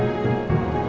setia pak bos